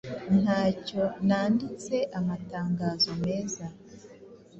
Ntacyo nanditse Amatangazo meza